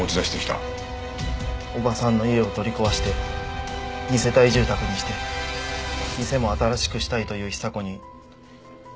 おばさんの家を取り壊して二世帯住宅にして店も新しくしたいと言う久子におばさんは。